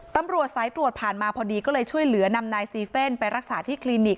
ตำรวจสายตรวจผ่านมาพอดีก็เลยช่วยเหลือนำนายซีเฟ่นไปรักษาที่คลินิก